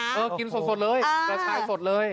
กินสดเลยกระชายสดเลย